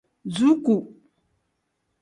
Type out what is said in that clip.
Zuuku.